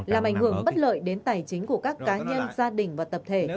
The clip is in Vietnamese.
làm ảnh hưởng bất lợi đến tài chính của các cá nhân gia đình và tập thể